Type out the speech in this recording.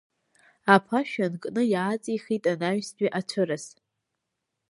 Аԥашә ианкны иааҵихит анаҩстәи ацәырас.